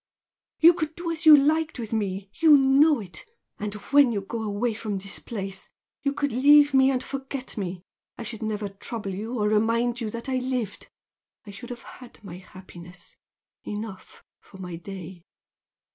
You could do as you liked with me you know it! and when you go away from this place, you could leave me and forget me, I should never trouble you or remind you that I lived!! I should have had my happiness, enough for my day!"